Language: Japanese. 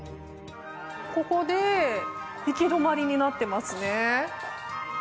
ここで行き止まりになっていますね。